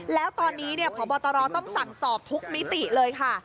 แล้วตอนนี้พบตรต้องสั่งสอบทุกมิติเลยค่ะ